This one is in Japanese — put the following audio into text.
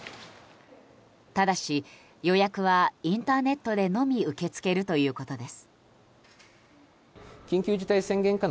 ただし、予約はインターネットでのみ受け付けるということです。